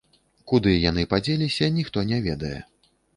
Куды яны падзеліся, ніхто не ведае.